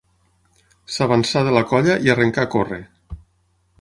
S'avançà de la colla i arrencà a córrer.